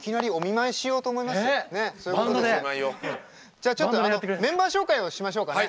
じゃあちょっとメンバー紹介をしましょうかね。